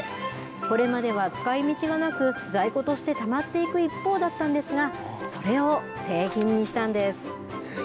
これまでは使いみちがなく在庫としてたまっていく一方だったんですがそれを製品にしたんです。